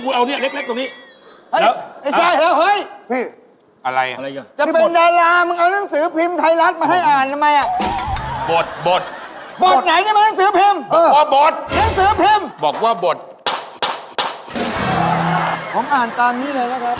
อันนี้ของคุณเอาเรียกตรงนี้